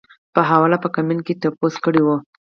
پۀ حواله پۀ کمنټ کښې تپوس کړے وۀ -